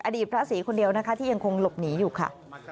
อดีตพระศรีคนเดียวนะคะที่ยังคงหลบหนีอยู่ค่ะ